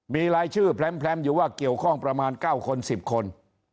มีรายชื่อแพร่มอยู่ว่าเกี่ยวข้องประมาณ๙คน๑๐คน